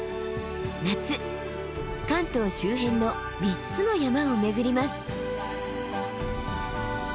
夏関東周辺の３つの山を巡ります。